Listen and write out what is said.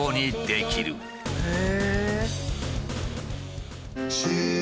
へえ！